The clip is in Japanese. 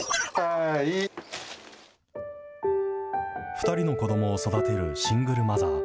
２人の子どもを育てるシングルマザー。